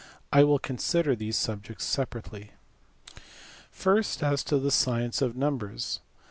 I will consider these subjects separately. First, as to the science of numbers.